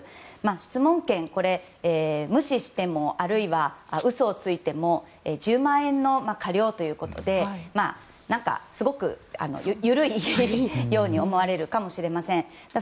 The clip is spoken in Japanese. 質問権、無視してもあるいは嘘をついても１０万円の科料ということですごく緩いように思われるかもしれません。